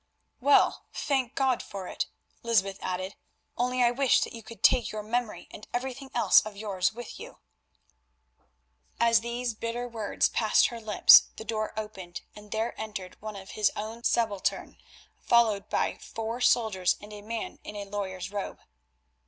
"Well, thank God for it," Lysbeth added, "only I wish that you could take your memory and everything else of yours with you." As these bitter words passed her lips the door opened, and there entered one of his own subalterns, followed by four soldiers and a man in a lawyer's robe.